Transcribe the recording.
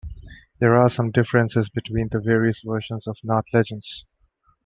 There are some differences between the various versions of the Nart legends.